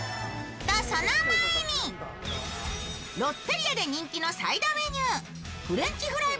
ロッテリアで人気のサイドメニュー、フレンチフライ